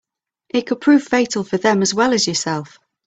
It could prove fatal for them as well as yourself.